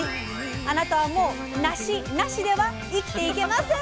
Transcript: あなたはもう「なし無し」では生きていけません！